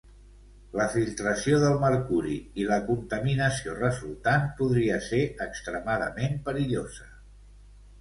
La filtració del mercuri i la contaminació resultant podria ser extremadament perillosa.